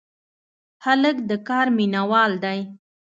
هلک د کار مینه وال دی.